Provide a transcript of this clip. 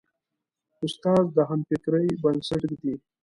استاد د همفکرۍ بنسټ ږدي.